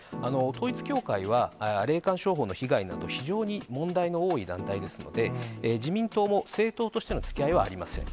統一教会は、霊感商法の被害など、非常に問題の多い団体ですので、自民党も政党としてのつきあいはありません。